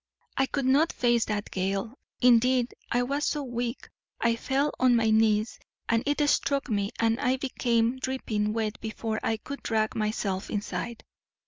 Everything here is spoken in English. "I could not face that gale. Indeed, I was so weak I fell on my knees as it struck me and became dripping wet before I could drag myself inside.